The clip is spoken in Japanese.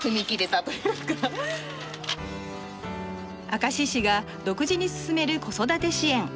明石市が独自に進める子育て支援。